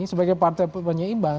sebagai partai penyeimbang